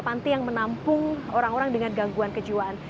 panti yang menampung orang orang dengan gangguan kejiwaan